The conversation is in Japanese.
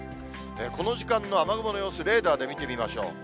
この時間の雨雲の様子、レーダーで見てみましょう。